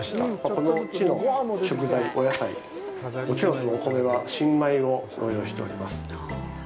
この地の食材、お野菜、もちろん、そのお米は新米をご用意しております。